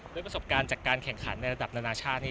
ด้วยประสบการณ์จากการแข่งขันในระดับนานาชาตินี้